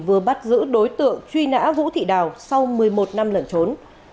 vừa bắt giữ đối tượng truy nã vũ thị đào sau một mươi một năm lẩn trốn